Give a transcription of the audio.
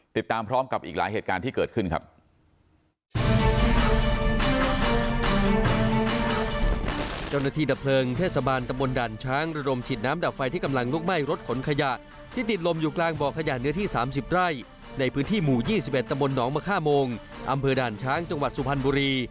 ติดตามพร้อมกับอีกหลายเหตุการณ์ที่เกิดขึ้นครับ